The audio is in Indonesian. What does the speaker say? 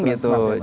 ya itu penting